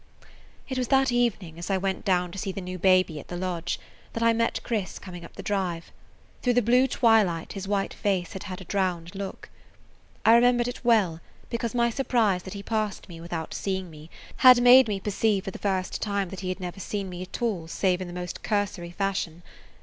It was that evening, as I went down to see the new baby at the lodge, that I met Chris coming up the drive. Through the blue twilight his white face had had a drowned look. I remembered it well, because my surprise that he passed me without seeing me had made me perceive for the first time that he had never seen [Page 104] me at all save in the most cursory fashion.